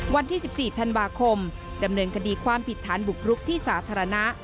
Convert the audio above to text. วันที่๑๔ธันวาคมดำเนินคดีความผิดฐานบุกรุกที่สาธารณะ